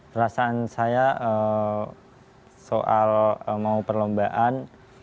perasaan saya soal mau perlombaan